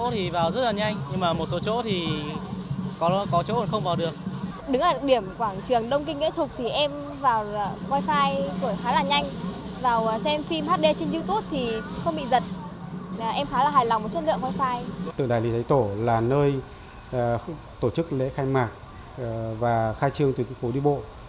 tượng đài lê thái tổ là nơi tổ chức lễ khai mạc và khai trương tuyến phố đi bộ